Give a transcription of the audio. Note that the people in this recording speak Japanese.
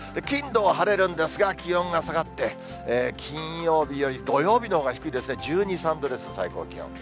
金、土は晴れるんですが、気温が下がって、金曜日より土曜日のほうが低いですね、１２、３度です、最高気温。